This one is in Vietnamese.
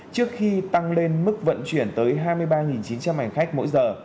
trước khi tăng lên mức vận chuyển tới hai mươi ba chín trăm linh hành khách mỗi giờ